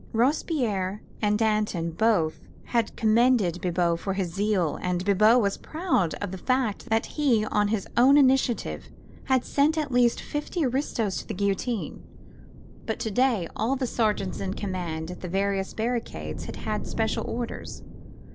Robespierre and Danton both had commended Bibot for his zeal, and Bibot was proud of the fact that he on his own initiative had sent at least fifty aristos to the guillotine. But to day all the sergeants in command at the various barricades had had special orders.